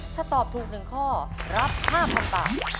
ถ้าตอบถูก๑ข้อรับ๕๐๐๐บาท